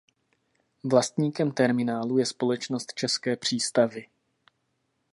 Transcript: Vlastníkem terminálu je společnost České přístavy.